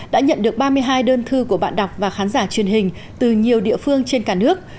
đã nhận được ba mươi hai đơn thư của bạn đọc và khán giả truyền hình từ nhiều địa phương trên cả nước